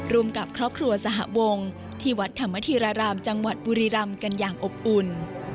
กับครอบครัวสหวงที่วัดธรรมธีรารามจังหวัดบุรีรำกันอย่างอบอุ่น